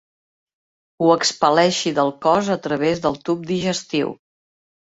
Ho expel·leixi del cos a través del tub digestiu.